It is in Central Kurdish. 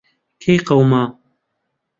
کەی قەوما؟